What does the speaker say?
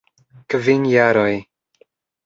Kvin jaroj!